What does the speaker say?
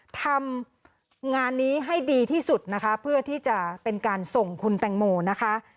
ทำงานนี้ให้ดีที่สุดนะคะเพื่อที่จะเป็นการส่งคุณแตงโมนะคะ